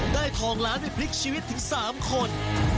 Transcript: ทองล้านไปพลิกชีวิตถึง๓คน